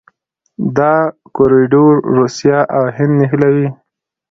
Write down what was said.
دا کوریډور روسیه او هند نښلوي.